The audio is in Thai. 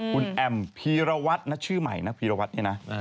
คุณแอมพีรวัตรนะชื่อใหม่นะพีรวัตรเนี่ยนะ